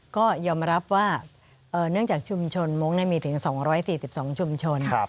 ก็ยอมรับว่าเนื่องจากชุมชนมงค์มีถึง๒๔๒ชุมชน